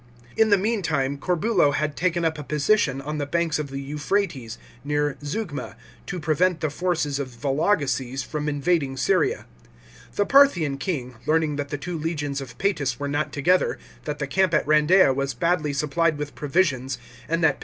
In the meantime, Corbulo had taken up a position on the banks of the Euphrates, near Zeugma, to prevent the forces of Vologeses from invading Syria. The Parthian king, learning that the two legions of Paetus were not together, that the camp at Randeia was badly supplied with provisions, and that Pa?